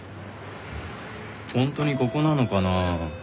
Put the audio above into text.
ほんとにここなのかな？